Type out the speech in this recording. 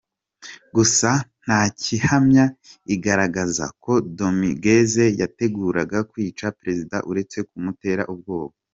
Gusa nta kihamya igaragaza ko Dominguez yateguraga kwica Perezida uretse kumutera ubwoba”.